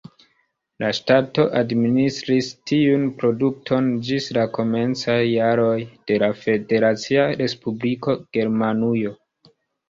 La ŝtato administris tiun produkton ĝis la komencaj jaroj de la Federacia Respubliko Germanujo.